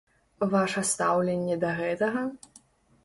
Ваша стаўленне да гэтага?